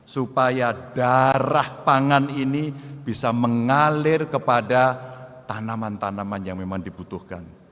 supaya darah pangan ini bisa mengalir kepada tanaman tanaman yang memang dibutuhkan